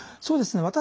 そうですね。